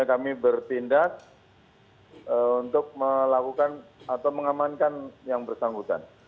ini kami bertindas untuk melakukan atau mengamankan yang bersanggutan